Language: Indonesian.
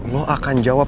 lo akan jawab